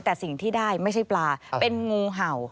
แต่สิ่งที่ได้ไม่ใช่ปลาเป็นงูเห่า